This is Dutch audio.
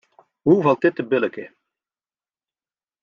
Hoe valt dit te billijken?